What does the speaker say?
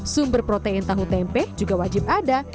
sumber protein tahu tempe juga wajib ada